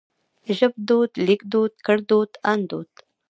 ژبدود ليکدود ګړدود اندود